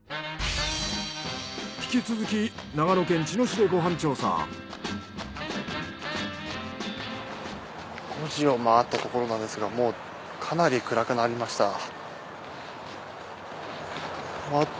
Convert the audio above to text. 引き続き４時を回ったところなんですがもうかなり暗くなりました。